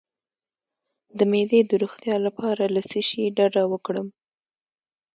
د معدې د روغتیا لپاره له څه شي ډډه وکړم؟